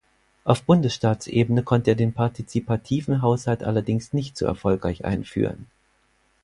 Auf Bundesstaatsebene konnte er den partizipativen Haushalt allerdings nicht so erfolgreich einführen.